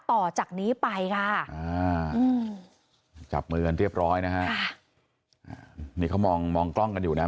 ต่อจากนี้ไปค่ะอ่าจับมือกันเรียบร้อยนะฮะนี่เขามองมองกล้องกันอยู่นะ